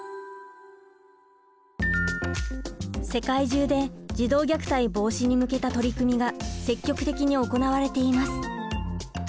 世界中で児童虐待防止に向けた取り組みが積極的に行われています。